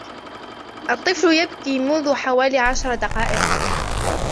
الطفل يبكي منذ حوالي عشر دقائق